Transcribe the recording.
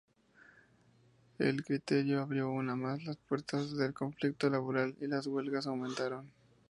El criterio abrió aún más las puertas del conflicto laboral y las huelgas aumentaron.